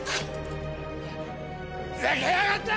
ふざけやがって！